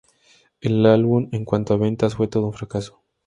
El álbum, en cuanto a ventas, fue todo un fracaso.